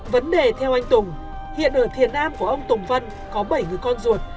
vấn đề theo anh tùng hiện ở thiền nam của ông tùng vân có bảy người con ruột